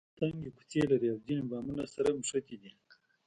تنګې کوڅې لري او ځینې بامونه سره نښتي دي.